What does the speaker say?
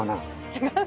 違う！